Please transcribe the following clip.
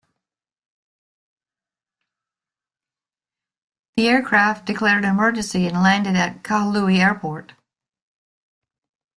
The aircraft declared an emergency and landed at Kahului Airport.